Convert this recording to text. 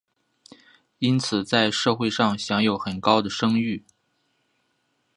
因此在社会上享有很高声誉。